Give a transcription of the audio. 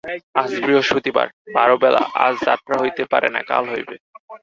আজ বৃহস্পতিবার, বারবেলা, আজ যাত্রা হইতে পারে না, কাল হইবে।